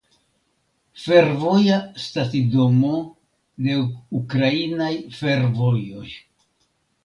Fervoja stacidomo de Ukrainaj fervojoj.